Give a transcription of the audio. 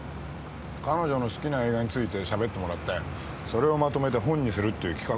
彼女の好きな映画についてしゃべってもらってそれをまとめて本にするっていう企画の打ち合わせ。